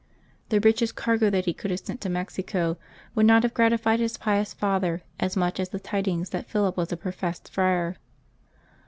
The richest cargo that he could have sent to Mexico would not have gratified his pious father as much as the tidings that Philip was a professed friar.